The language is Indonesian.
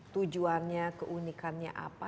tujuannya keunikannya apa